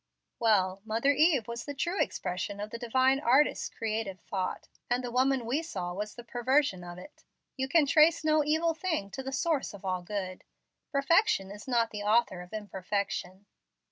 "Well, Mother Eve was the true expression of the Divine Artist's creative thought, and the woman we saw was the perversion of it. You can trace no evil thing to the source of all good. Perfection is not the author of imperfection."